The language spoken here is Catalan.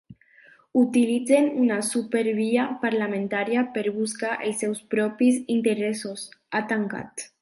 “Utilitzen una supèrbia parlamentària per buscar els seus propis interessos”, ha tancat.